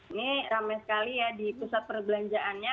ini ramai sekali ya di pusat perbelanjaannya